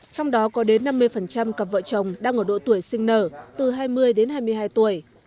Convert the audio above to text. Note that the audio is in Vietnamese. trong đó có đến năm mươi cặp vợ chồng đang ở độ tuổi sinh nở từ hai mươi đến hai mươi hai tuổi